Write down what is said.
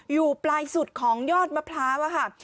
อยู่ปลายสุดของยอดมะพร้าวค่ะ